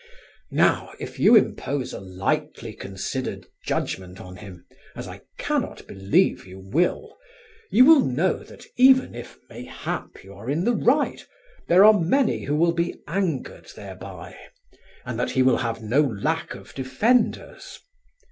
Now, if you impose a lightly considered judgment on him, as I cannot believe you will, you well know that even if mayhap you are in the right there are many who will be angered thereby, and that he will have no lack of defenders.